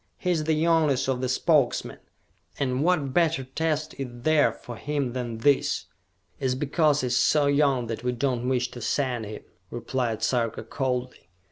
"He is the youngest of the Spokesmen, and what better test is there for him than this?" "It is because he is so young that we do not wish to send him," replied Sarka coldly.